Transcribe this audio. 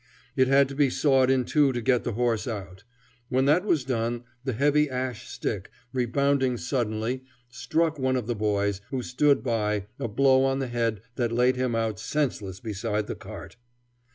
It had to be sawed in two to get the horse out. When that was done, the heavy ash stick, rebounding suddenly, struck one of the boys, who stood by, a blow on the head that laid him out senseless beside the cart.